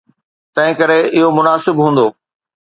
تنهنڪري اهو مناسب هوندو.